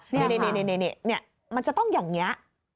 นี่มันจะต้องอย่างนี้